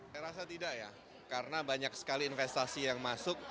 saya rasa tidak ya karena banyak sekali investasi yang masuk